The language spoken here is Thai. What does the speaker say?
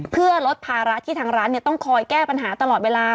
เพื่อลดภาระที่ทางร้านต้องคอยแก้ปัญหาตลอดเวลา